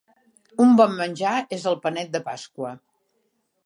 Un bon menjar és el panet de pasqua.